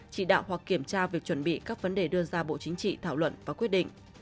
chỉ đạo hoặc kiểm tra việc chuẩn bị các vấn đề đưa ra bộ chính trị thảo luận và quyết định